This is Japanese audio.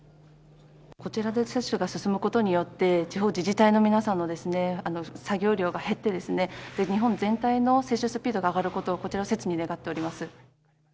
こちらで接種が進むことによって地方自治体の皆さんの作業量が減って日本全体の接種スピードが上がることを切に願っております。